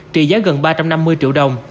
trị giá gần ba trăm năm mươi triệu đồng